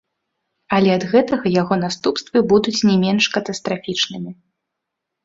Але ад гэтага яго наступствы будуць не менш катастрафічнымі.